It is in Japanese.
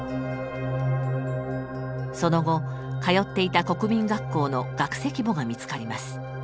その後通っていた国民学校の学籍簿が見つかります。